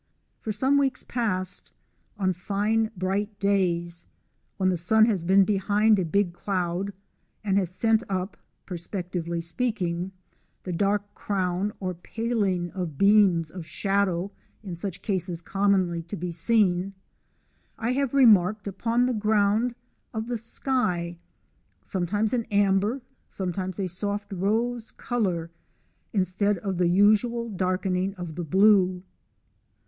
For some weeks past on fine bright days, when the sun has been behind a big cloud and has sent up (perspectively speak ing) the dark crown or paling of beams of shadow in such cases commonly to be seen, I have remarked, upon the ground of the sky, sometimes an amber, sometimes a soft rose colour, instead of the usual darkening of the blue.